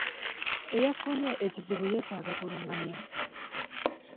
Eyafunye ekizibu yeetaaga kuluŋŋamya.